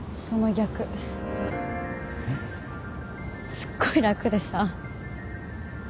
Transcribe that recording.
すっごい楽でさ